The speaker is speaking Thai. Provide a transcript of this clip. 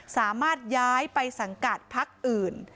สามารถย้ายไปสังกัดพักอื่น